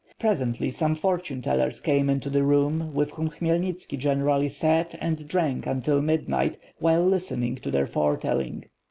Presently, some fortune tellers came into the room, with whom Khmyelnitski generaly sat and drank until midnight, while listening to their foretelling.